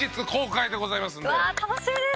うわ楽しみです！